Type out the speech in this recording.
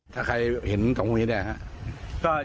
ถ้าใครเห็นของหุยเนี่ยครับ